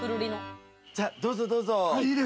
どうぞどうぞ。